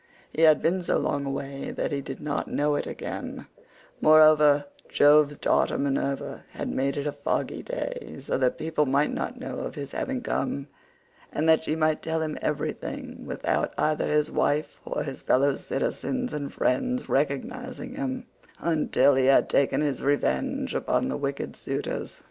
He had been so long away that he did not know it again; moreover, Jove's daughter Minerva had made it a foggy day, so that people might not know of his having come, and that she might tell him everything without either his wife or his fellow citizens and friends recognising him119 until he had taken his revenge upon the wicked suitors.